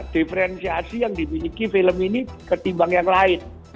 diferensiasi yang dimiliki film ini ketimbang yang lain